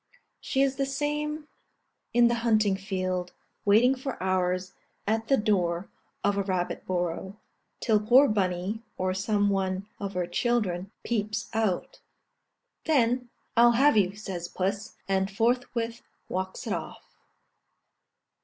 She is the same in the hunting field, waiting for hours at the door of a rabbit burrow, till poor Bunny, or some one of her children, peeps out; then, "I'll have you," says puss, and forthwith walks it off.